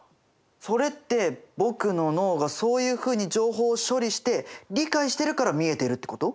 それって僕の脳がそういうふうに情報を処理して理解してるから見えてるってこと？